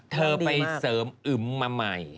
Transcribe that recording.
เธอไปเสริมอึมมาใหม่